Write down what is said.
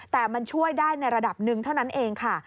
แต่มันช่วยได้ในระดับหนึ่งเท่านั้นเองค่ะ